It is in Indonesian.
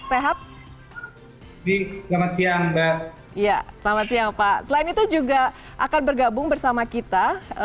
sehat di selamat siang mbak ya selamat siang pak selain itu juga akan bergabung bersama kita